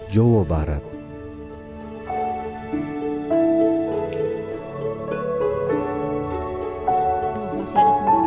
saya nomor dua